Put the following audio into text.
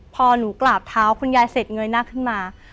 พอหนูกราบเท้าคุณยายเสร็จเงยหน้าขึ้นมา